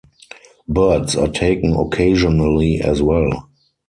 Birds are taken occasionally, as well.